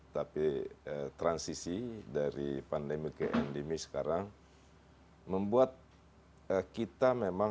tapi transisi dari pandemi ke endemi sekarang membuat kita memang